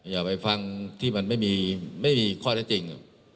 อย่าไปฟังที่มันไม่มีข้อได้จริง